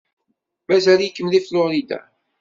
Mazal-ikem deg Florida?